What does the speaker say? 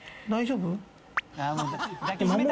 大丈夫？